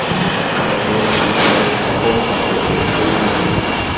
কাণ্ডের শীর্ষে একক ভাবে এর ফুল ফোটে।